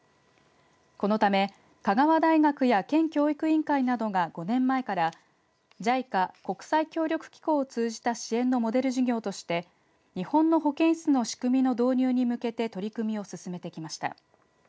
このため香川大学や県教育委員会などが５年前からＪＩＣＡ＝国際協力機構を通じた支援のモデル事業として日本の保険室の仕組みの導入に向けて取り組みを進めてきました。